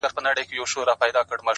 هلته پاس چي په سپوږمـۍ كــي!